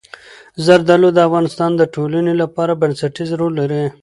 زردالو د افغانستان د ټولنې لپاره بنسټيز رول لري.